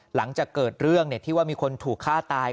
หลังจากเกิดเรื่องที่ว่ามีคนถูกฆ่าตาย